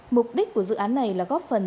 mục đích của dự án này là góp phần